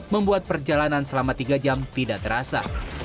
membuat perjalanan selama tiga jam tidak terasa